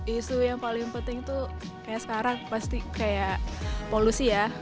isu yang paling penting tuh kayak sekarang pasti kayak polusi ya